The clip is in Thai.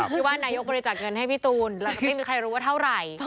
ที่ว่านายกบริจาคเงินให้พี่ตูนไม่มีใครรู้ว่าเท่าไหร่